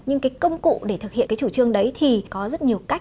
nhưng cái công cụ để thực hiện cái chủ trương đấy thì có rất nhiều cách